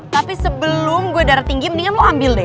tapi sebelum gue darah tinggi mendingan mau ambil deh